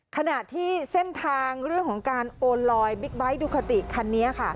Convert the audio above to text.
ขณะที่เส้นทางเรื่องของการโอนลอยบิ๊กไบท์ดูคาติคันนี้ค่ะ